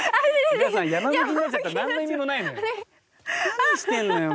何してんのよ